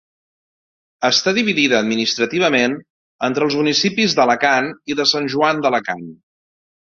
Està dividida administrativament entre els municipis d'Alacant i de Sant Joan d'Alacant.